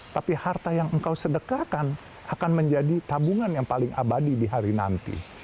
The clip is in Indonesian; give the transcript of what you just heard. tapi harta yang engkau sedekahkan akan menjadi tabungan yang paling abadi di hari nanti